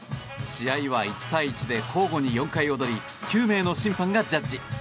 試合は１対１で交互に４回踊り９名の審判がジャッジ。